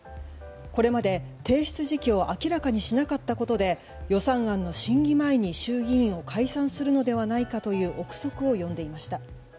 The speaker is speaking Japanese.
これまで提出時期を明らかにしなかったことで予算案の審議前に、衆議院を解散するのではないかという憶測を呼んでいました。